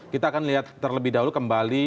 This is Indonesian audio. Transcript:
kita akan lihat terlebih dahulu kembali